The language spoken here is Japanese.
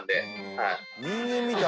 はい。